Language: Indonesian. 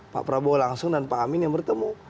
pak prabowo langsung dan pak amin yang bertemu